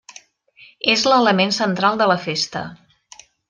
És l'element central de la festa.